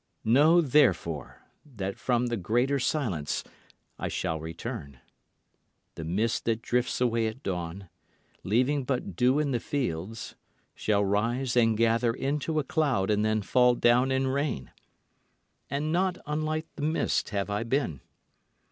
Know therefore, that from the greater silence I shall return. The mist that drifts away at dawn, leaving but dew in the fields, shall rise and gather into a cloud and then fall down in rain. And not unlike the mist have I been.